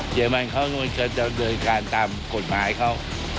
เดี๋ยวมันก็จะโดยการตามกฎหมายเขา